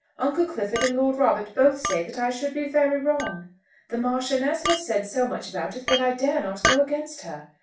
Uncle Clifford and Lord Robert both say that I should be very wrong. The Marchioness has said so much about it that I dare not go against her.